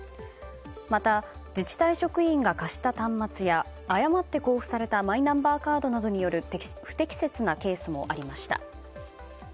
また、自治体職員が貸した端末や誤って交付されたマイナンバーカードなどによる不適切なケースもありました。